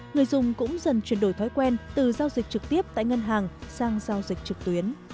người dùng cũng dần chuyển đổi thói quen từ giao dịch trực tiếp tại ngân hàng sang giao dịch trực tuyến